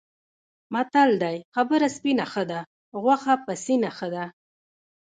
متل دی: خبره سپینه ښه ده، غوښه پسینه ښه ده.